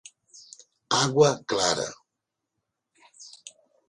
Água Clara